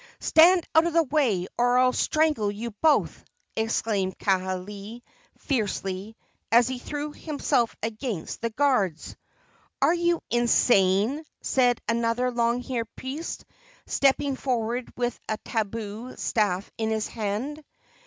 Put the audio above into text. "Stand out of the way, or I will strangle you both!" exclaimed Kaaialii, fiercely, as he threw himself against the guards. "Are you insane?" said another long haired priest, stepping forward with a tabu staff in his hand.